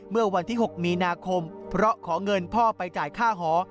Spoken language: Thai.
เมื่อวันที่๖มีนาคมเพราะขอเงินพ่อไปจ่ายค่าหอ